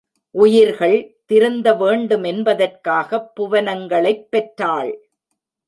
உயிர்கள் திருந்த வேண்டுமென்பதற்காகப் புவனங்களைப் பெற்றாள்.